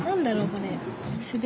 これ。